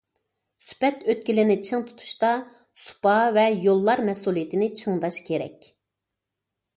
سۈپەت ئۆتكىلىنى چىڭ تۇتۇشتا سۇپا ۋە يوللار مەسئۇلىيىتىنى چىڭداش كېرەك.